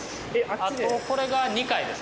あとこれが２回ですね。